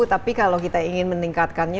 tapi kalau kita ingin meningkatkannya